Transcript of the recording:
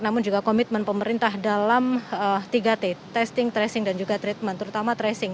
namun juga komitmen pemerintah dalam tiga t testing tracing dan juga treatment terutama tracing